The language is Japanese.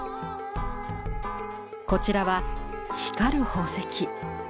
こちらは光る宝石。